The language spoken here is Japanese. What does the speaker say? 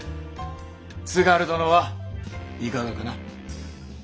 津軽殿はいかがかな？